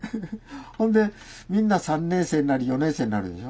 ほんでみんな３年生になり４年生になるでしょ。